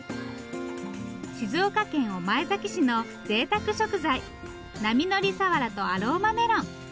静岡県御前崎市のぜいたく食材波乗り鰆とアローマメロン。